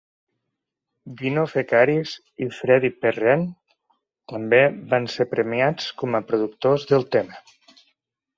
Dino Fekaris i Freddie Perren també van ser premiats com a productors del tema.